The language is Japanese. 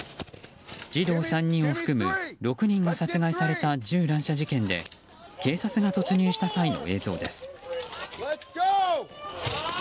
児童３人を含む６人が殺害された銃乱射事件で警察が突入した際の映像です。